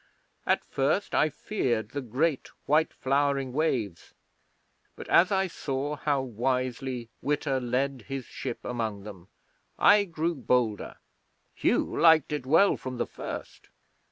At first I feared the great white flowering waves, but as I saw how wisely Witta led his ship among them I grew bolder. Hugh liked it well from the first.